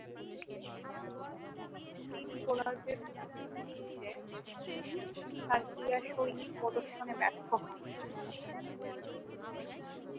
সচরাচর সিম বোলারদের উপযোগী পিচে তিনি তার ক্রীড়াশৈলী প্রদর্শনে ব্যর্থ হন।